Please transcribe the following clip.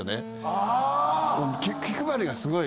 気配りがすごい。